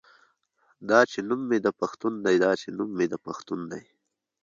دا چې نوم مې د پښتون دے دا چې نوم مې د پښتون دے